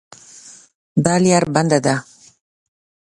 دا لار بنده ده